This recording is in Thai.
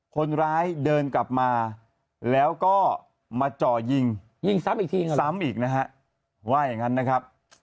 คนร้ายเดินกลับมาแล้วก็มาจ่อยิงยิงซ้ำอีกทีซ้ำอีกนะฮะว่าอย่างนั้นนะครับ